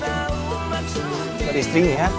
pernah di string ya